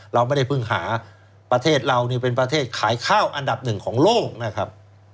เราไม่ได้เพิ่งหาประเทศเรานี่เป็นประเทศขายข้าวอันดับหนึ่งของโลกนะครับ